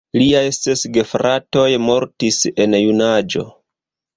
Liaj ses gefratoj mortis en junaĝo.